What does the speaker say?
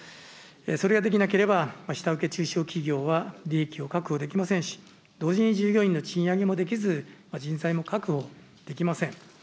それができなければ、下請け・中小企業は利益を確保できませんし、同時に従業員の賃上げもできず、人材も確保できません。